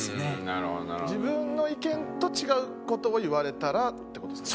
自分の意見と違う事を言われたらって事ですか？